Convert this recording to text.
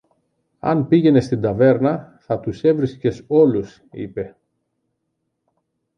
Αν πήγαινες στην ταβέρνα, θα τους έβρισκες όλους, είπε.